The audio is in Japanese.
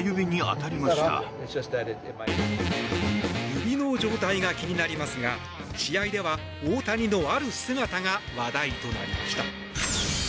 指の状態が気になりますが試合では大谷のある姿が話題となりました。